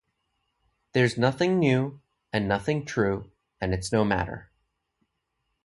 There's nothing new, and nothing true, and it's no matter.